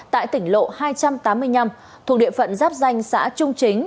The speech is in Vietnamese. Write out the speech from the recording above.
tại tỉnh lộ hai trăm tám mươi năm thuộc địa phận giáp danh xã trung chính